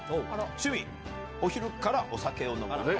趣味、お昼からお酒を飲むこと。